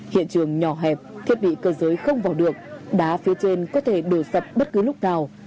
hiện trường nhỏ hẹp thiết bị cơ giới không vào được đá phía trên có thể đổ sập bất cứ lúc nào